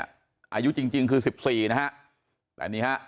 อายุจริงคือ๑๔นะฮะแต่นี่ฮะ